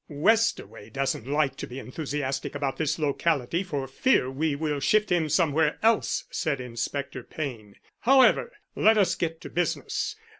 "Westaway doesn't like to be enthusiastic about this locality for fear we will shift him somewhere else," said Inspector Payne. "However, let us get to business.